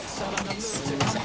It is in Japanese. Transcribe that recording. すみません。